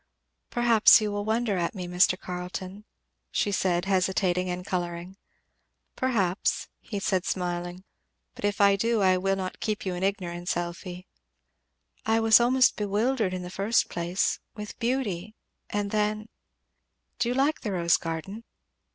"Perhaps you will wonder at me, Mr. Carleton," she said, hesitating and colouring. "Perhaps," he said smiling; "but if I do I will not keep you in ignorance, Elfie." "I was almost bewildered, in the first place, with beauty and then " "Do you like the rose garden?"